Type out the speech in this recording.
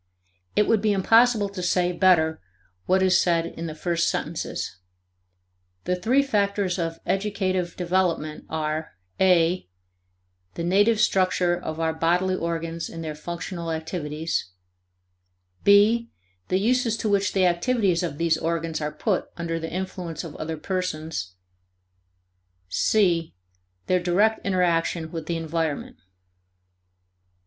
It would be impossible to say better what is said in the first sentences. The three factors of educative development are (a) the native structure of our bodily organs and their functional activities; (b) the uses to which the activities of these organs are put under the influence of other persons; (c) their direct interaction with the environment.